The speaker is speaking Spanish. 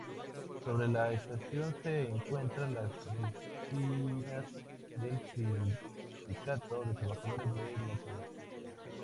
Sobre la estación se encuentran las oficinas del Sindicato de Trabajadores del Metro.